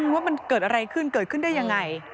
ว่ามันเกิดอะไรขึ้นเกิดขึ้นได้ยังไง